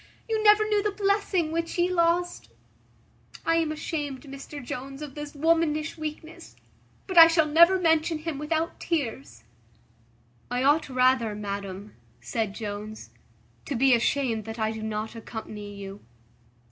you never knew the blessing which ye lost. I am ashamed, Mr Jones, of this womanish weakness; but I shall never mention him without tears." "I ought rather, madam," said Jones, "to be ashamed that I do not accompany you."